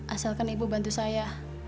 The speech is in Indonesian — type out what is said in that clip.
asalkan ibu bantu saya